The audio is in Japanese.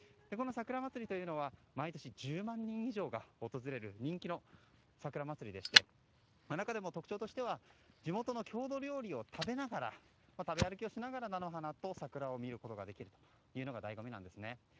この桜まつりというのは毎年１０万人以上が訪れる人気の桜まつりでして中でも特徴としては地元の郷土料理を食べながら食べ歩きをしながら菜の花と桜を見ることができるというのが醍醐味なんですね。